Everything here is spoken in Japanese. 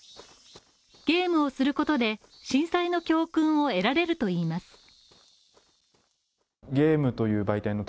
ゲームをすることで震災の教訓を得られるといいます。